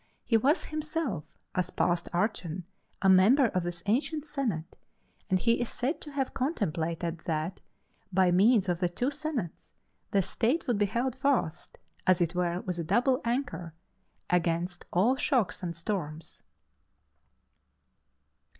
He was himself, as past archon, a member of this ancient senate, and he is said to have contemplated that by means of the two senates the state would be held fast, as it were with a double anchor, against all shocks and storms.